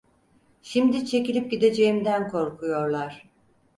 Şimdi çekilip gideceğimden korkuyorlar…